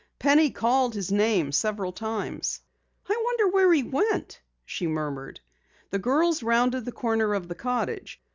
Penny called his name several times. "I wonder where he went?" she murmured. The girls rounded the corner of the cottage.